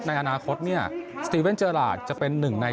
ในอนาคตเนี่ยสติเว่นเจอราชจะเป็นหนึ่งใน